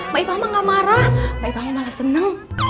maksudnya kita diserang kayak gini